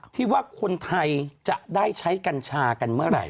ที่ว่าคนไทยจะได้ใช้กัญชากันเมื่อไหร่